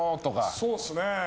そうですね。